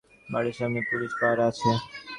বাড়ির সামনেই পুলিশ পাহারা আছে।